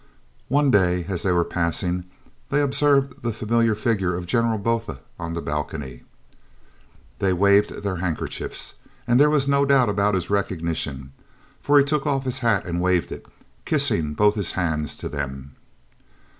One day as they were passing they observed the familiar figure of General Botha on the balcony. They waved their handkerchiefs and there was no doubt about his recognition, for he took off his hat and waved it, kissing both his hands to them.